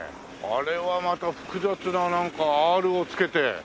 あれはまた複雑ななんかアールをつけて。